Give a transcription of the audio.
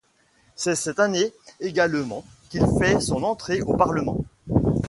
C'est cette année également qu'il fait son entrée au Parlement.